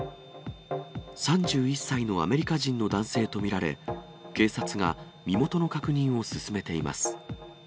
３１歳のアメリカ人の男性と見られ、警察が身元の確認を進めています。